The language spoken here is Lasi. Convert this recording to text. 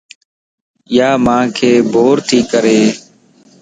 يا مانک بورتي ڪري